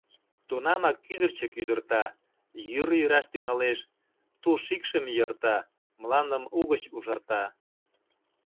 Тунамак кӱдырчӧ кӱдырта, йӱр йӱраш тӱҥалеш, тул-шикшым йӧрта, мландым угыч ужарта.